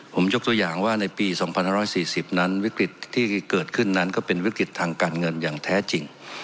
ผมยกตัวอย่างว่าในปี๒๕๔๐นั้นวิกฤตที่เกิดขึ้นนั้นก็เป็นวิกฤติทางการเงินอย่างแท้จริง